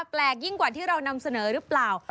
ยิ่งกว่าที่เรานำเสนอหรือเปล่า